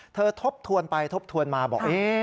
ทบทวนไปทบทวนมาบอก